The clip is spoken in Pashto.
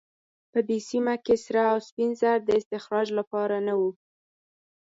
په دې سیمه کې سره او سپین زر د استخراج لپاره نه وو.